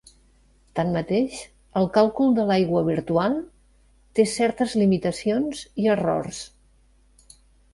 Tanmateix el càlcul de l'aigua virtual té certes limitacions i errors.